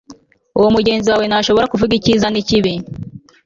Uwo mugenzi wawe ntashobora kuvuga icyiza nikibi